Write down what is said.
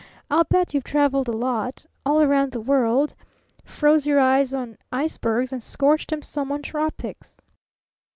I'll bet you've traveled a lot all round the world froze your eyes on icebergs and scorched 'em some on tropics."